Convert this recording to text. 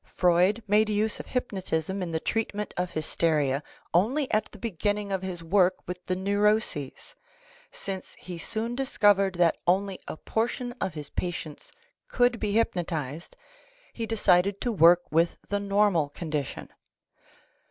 Freud made use of hypnotism in the treatment of hysteria only at the beginning of his work with the neuroses; since he soon discovered that only a portion of his patients could be hypnotized, he decided to work with the normal condition.